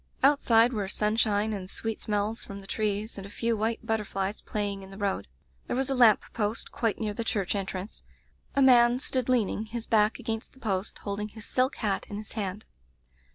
Outside were sunshine and sweet smells from the trees, and a few white butterflies playing in the road. There was a lamp post quite near the church entrance. A man stood leaning his back against the post, holding his silk hat in his hand.